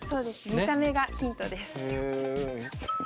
見た目がヒントです！